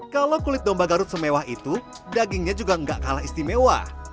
kalau kulit domba garut semewah itu dagingnya juga nggak kalah istimewa